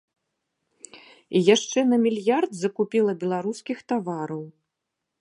І яшчэ на мільярд закупіла беларускіх тавараў.